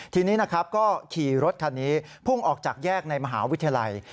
ทีนี้นะครับก็ขี่รถคันนี้พุ่งออกจากแยกในมหาวิทยาลัย